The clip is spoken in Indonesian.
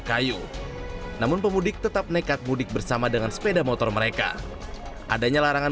kayu namun pemudik tetap nekat mudik bersama dengan sepeda motor mereka adanya larangan